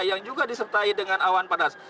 yang juga disertai dengan awan panas